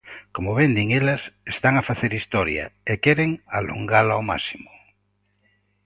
Como ben din elas, están a facer historia e queren alongala ao máximo.